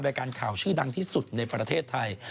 รายการข่าวชื่อดังที่สุดในประเทศไทย